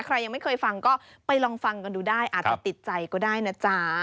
ยังไม่เคยฟังก็ไปลองฟังกันดูได้อาจจะติดใจก็ได้นะจ๊ะ